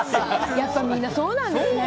やっぱみんなそうなんですね。